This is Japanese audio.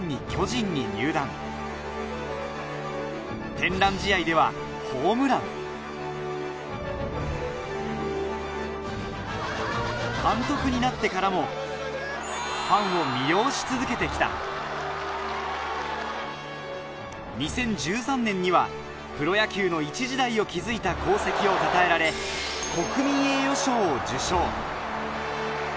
天覧試合ではホームラン監督になってからもファンを魅了し続けて来た２０１３年にはプロ野球のいち時代を築いた功績をたたえられ国民栄誉賞を受賞